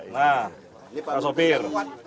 nah pak sobir